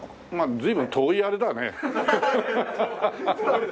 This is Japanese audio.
随分遠いあれだね。